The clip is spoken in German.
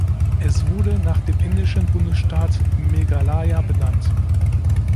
Es wurde nach dem indischen Bundesstaat "Meghalaya" benannt.